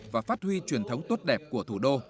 và phát huy truyền thống tốt đẹp của thủ đô